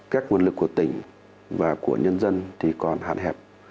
các nguồn lực của tỉnh và của nhân dân thì còn hạn hẹp